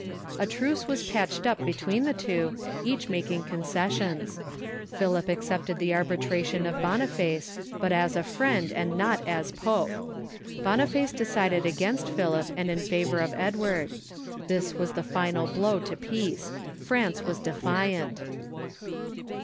A truce was patched up between the two, each mak ing concessions. Philip accepted the arbitration of Boniface, but as a friend, and not as pope. Boniface decided against Philip, and in favor of Edward. This was the final blow to peace. France Avas defiant.